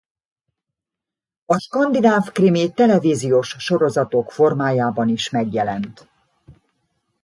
A skandináv krimi televíziós sorozatok formájában is megjelent.